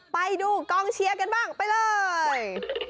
ไปดูกองเชียร์กันบ้างไปเลย